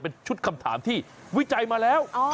เป็นชุดคำถามที่วิจัยมาแล้ว